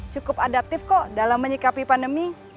cukup adaptif kok dalam menyikapi pandemi